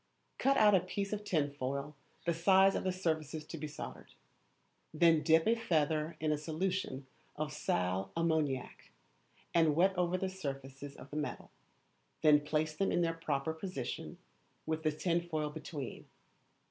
Cut out a piece of tinfoil the size of the surfaces to be soldered. Then dip a feather in a solution of sal ammoniac, and wet over the surfaces of the metal, then place them in their proper position with the tinfoil between.